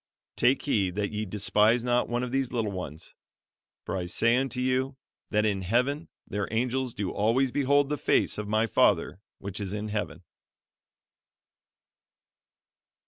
'Take heed that ye despise not one of these little ones; for I say unto you, That in heaven their angels do always behold the face of my Father which is in Heaven.'"